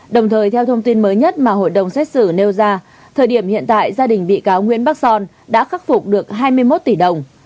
đồng thời theo thông tin mới nhất mà hội đồng xét xử nêu ra thời điểm hiện tại gia đình bị cáo nguyễn bắc son đã khắc phục được hai mươi một tỷ đồng